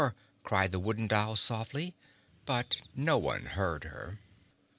cried the Wooden Doll softly, but no one heard her.